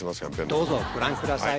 どうぞご覧ください。